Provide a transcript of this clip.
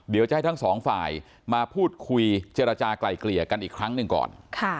เดี๋ยวจะให้ทั้งสองฝ่ายมาพูดคุยเจรจากลายเกลี่ยกันอีกครั้งหนึ่งก่อน